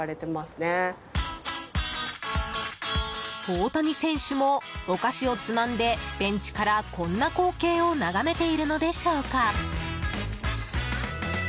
大谷選手もお菓子をつまんでベンチからこんな光景を眺めているのでしょうか。